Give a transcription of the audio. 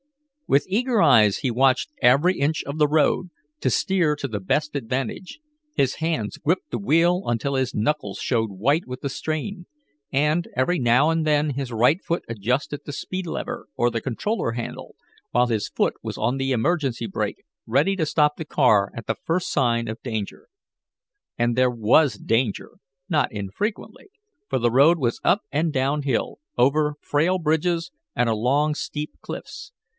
With eager eyes he watched every inch of the road, to steer to the best advantage. His hands gripped the wheel until his knuckles showed white with the strain, and, every now and then his right hand adjusted the speed lever or the controller handle, while his foot was on the emergency brake, ready to stop the car at the first sign of danger. And there was danger, not infrequently, for the road was up and down hill, over frail bridges, and along steep cliffs.